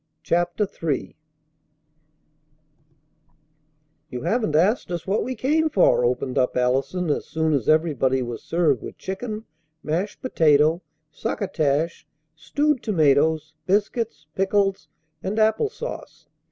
CHAPTER III "You haven't asked us what we came for," opened up Allison as soon as everybody was served with chicken, mashed potato, succotash, stewed tomatoes, biscuits, pickles, and apple sauce.